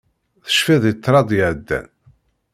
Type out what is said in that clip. Tecfiḍ i ṭṭrad iɛeddan.